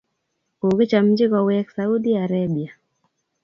Kokichamji kowek Saudi Arabia